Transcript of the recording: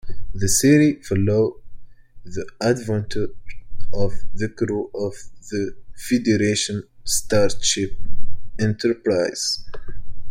The series follows the adventures of the crew of the Federation starship "Enterprise".